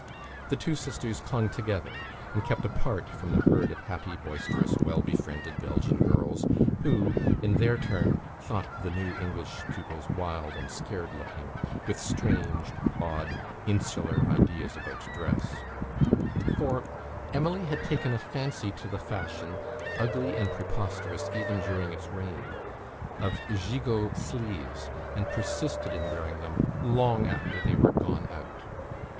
The two sisters clung together, and kept apart from the herd of happy, boisterous, well befriended Belgian girls, who, in their turn, thought the new English pupils wild and scared looking, with strange, odd, insular ideas about dress; for Emily had taken a fancy to the fashion, ugly and preposterous even during its reign, of gigot sleves, and persisted in wearing them long after they were "gone out."